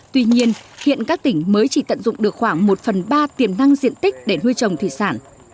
tuy nhiên hiện các tỉnh mới chỉ tận dụng được khoảng một phần ba tiềm năng diện tích để nuôi trồng thủy sản